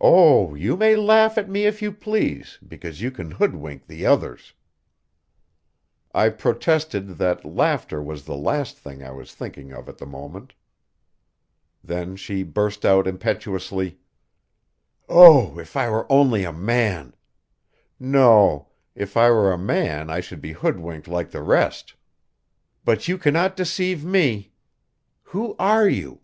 "Oh, you may laugh at me if you please, because you can hoodwink the others." I protested that laughter was the last thing I was thinking of at the moment. Then she burst out impetuously: "Oh, if I were only a man! No; if I were a man I should be hoodwinked like the rest. But you can not deceive me. Who are you?